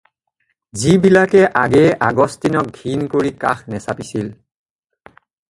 যি বিলাকে আগেয়ে অগষ্টিনক ঘিণ কৰি কাষ নেচাপিছিল